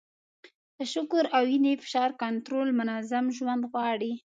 د شکر او وینې فشار کنټرول منظم ژوند غواړي.